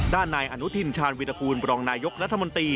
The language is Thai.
นายอนุทินชาญวิรากูลบรองนายกรัฐมนตรี